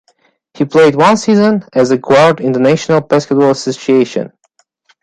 He played one season as a guard in the National Basketball Association.